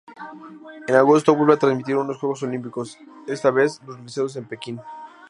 En agosto vuelve a transmitir unos Juegos Olímpicos, esta vez los realizados en Pekín.